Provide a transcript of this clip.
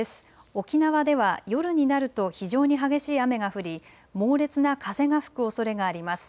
沖縄では夜になると非常に激しい雨が降り猛烈な風が吹くおそれがあります。